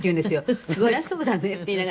「そりゃそうだねって言いながら。